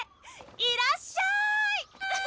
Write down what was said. いらっしゃい！